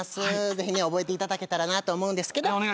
ぜひね覚えていただけたらなと思うんですけどま